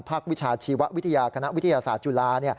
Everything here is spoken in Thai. วิชาชีววิทยาคณะวิทยาศาสตร์จุฬา